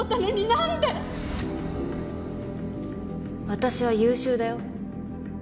私は優秀だよ。